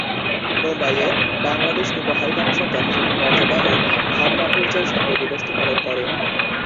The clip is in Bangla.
মুম্বাইয়ের বাংলাদেশ উপহাইকমিশন যথাযথ মর্যাদা ও ভাবগাম্ভীর্যের সঙ্গে দিবসটি পালন করে।